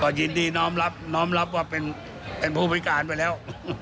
ก็ยินดีน้องรับรับว่าเป็นผู้พิการก็แล้ว